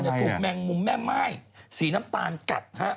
ยังครูกแมงมุมแม่นมายสีน้ำตาลกัด